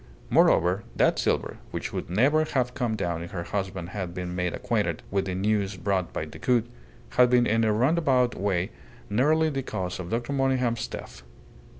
Moreover, that silver, which would never have come down if her husband had been made acquainted with the news brought by Decoud, had been in a roundabout way nearly the cause of Dr. Monygham's death.